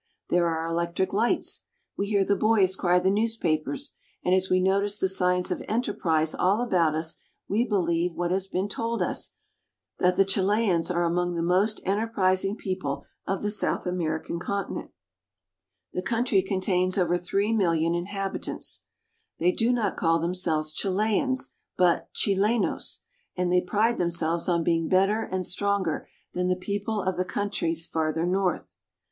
There are electric lights. We hear the boys cry the newspapers, and as we notice the signs of enterprise all about us we believe what has been told us, that the Chileans are among the most enterpris ing people of the South American continent. The country contains over three million inhabitants. Chileans. VALPARAISO. 113 They do not call themselves Chileans, but Chilenos (che la'nos), and they pride themselves on being better and stronger than the people of the countries farther north.